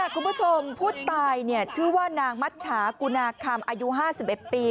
คุณผู้ชมผู้ตายชื่อว่านางมัชชากุณาคำอายุ๕๑ปี